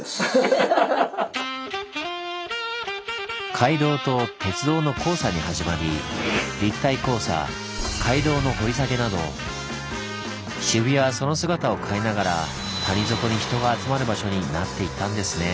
街道と鉄道の交差に始まり立体交差街道の掘り下げなど渋谷はその姿を変えながら谷底に人が集まる場所になっていったんですねぇ。